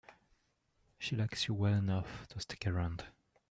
She likes you well enough to stick around.